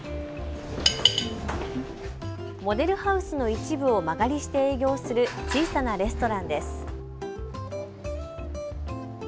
モデルハウスの一部を間借りして営業する小さなレストランです。